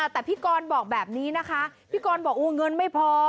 แต่พี่กรบอกแบบนี้นะคะพี่กรบอกเงินไม่พอ